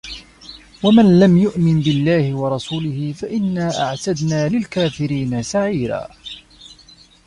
وَمَن لَم يُؤمِن بِاللَّهِ وَرَسولِهِ فَإِنّا أَعتَدنا لِلكافِرينَ سَعيرًا